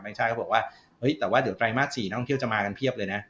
ชาติเขาบอกว่าเฮ้ยแต่ว่าเดี๋ยวไตรมาส๔นักท่องเที่ยวจะมากันเพียบเลยนะ